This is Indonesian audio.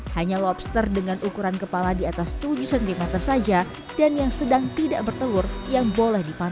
hanya lobster dengan ukuran kepala di atas tujuh cm saja dan yang sedang tidak bertelur yang boleh dipanen